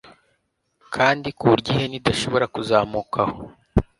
kandi ku buryo ihene idashobora kuzamuka aho